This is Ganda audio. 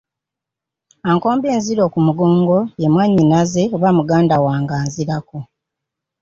Ankomba enziro ku mugongo ye mwannyinaze oba muganda wange anzirako.